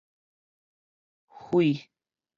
卉